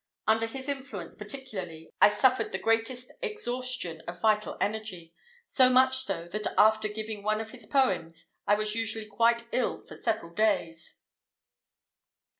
Under his influence, particularly, I suffered the greatest exhaustion of vital energy, so much so, that after giving one of his poems, I was usually quite ill for several days.